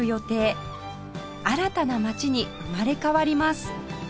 新たな街に生まれ変わります